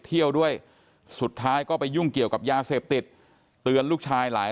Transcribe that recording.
เที่ยวด้วยสุดท้ายก็ไปยุ่งเกี่ยวกับยาเสพติดเตือนลูกชายหลาย